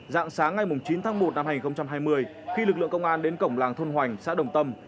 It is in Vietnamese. dạng sáng ngày chín tháng một năm hai nghìn hai mươi khi lực lượng công an đến cổng làng thôn hoành xã đồng tâm